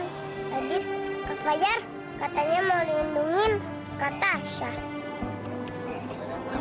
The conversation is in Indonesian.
jadi kak fajar katanya mau lindungin kak tasya